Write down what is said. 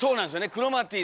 クロマティ！